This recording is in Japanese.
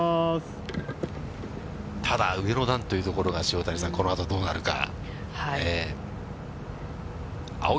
ただ、上の段というところが、塩谷さん、このあとどうなるか。